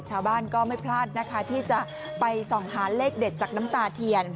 ชาวบ้านก็ไม่พลาดนะคะที่จะไปส่องหาเลขเด็ดจากน้ำตาเทียน